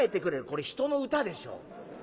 これ人の歌でしょ。